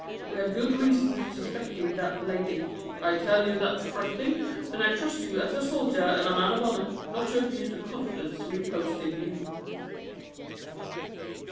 We have good reasons for suspecting that lady. I tell you that frankly, and trust to you as a soldier and man of honour not to abuse the confidence reposed in you."